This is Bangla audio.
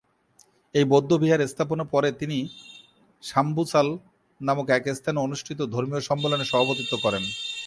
এই বৌদ্ধবিহার স্থাপনের পরে তিনি শাম-বু-ব্চাল নামক এক স্থানে অনুষ্ঠিত ধর্মীয় সম্মেলনে সভাপতিত্ব করেন।